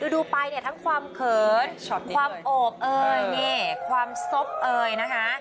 ดูไปเนี่ยทั้งความเขินความโอบเอ่ยนี่ความซบเอ่ยนะคะ